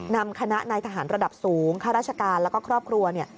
นำคณะนายทหารระดับสูงข้าราชการแล้วก็ครอบครัวเนี่ย